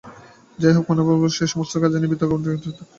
যাই হোক পানুবাবু, এ-সমস্ত কথা নিয়ে তর্ক করবার কোনো দরকার দেখি নে।